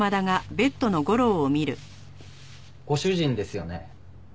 ご主人ですよね？